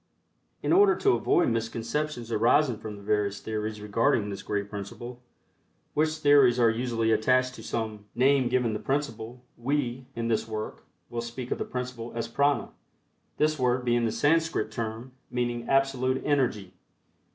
In order to avoid misconceptions arising from the various theories regarding this great principle, which theories are usually attached to some name given the principle, we, in this work, will speak of the principle as "Prana," this word being the Sanskrit term meaning "Absolute Energy."